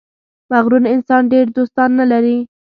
• مغرور انسان ډېر دوستان نه لري.